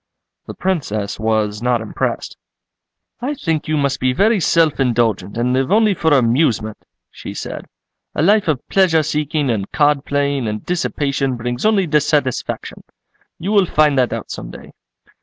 The Princess was not impressed. "I think you must be very self indulgent and live only for amusement," she said, "a life of pleasure seeking and card playing and dissipation brings only dissatisfaction. You will find that out some day."